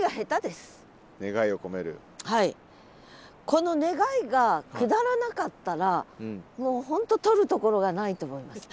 この願いがくだらなかったらもう本当取るところがないと思います。